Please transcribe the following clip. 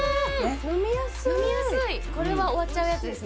ハハハッ終わっちゃうやつです